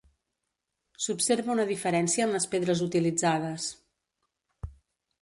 S'observa una diferència en les pedres utilitzades.